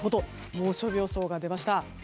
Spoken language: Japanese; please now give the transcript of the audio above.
猛暑日予想が出ました。